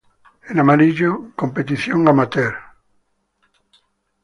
En amarillo, competición amateur.